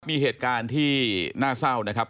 มีเหตุการณ์ที่น่าเศร้านะครับ